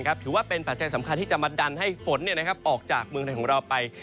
ถือว่าเป็นปัจจัยสำคัญที่จะมาดันให้ฝนออกจากเมืองไทยของเราไป